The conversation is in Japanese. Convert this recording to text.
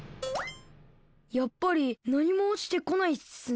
やっぱりなにもおちてこないっすね。